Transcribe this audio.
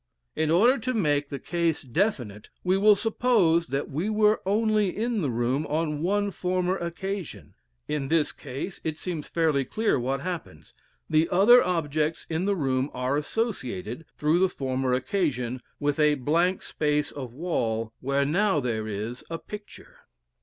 In order to make the case definite, we will suppose that we were only in the room on one former occasion. In this case it seems fairly clear what happens. The other objects in the room are associated, through the former occasion, with a blank space of wall where now there is a picture.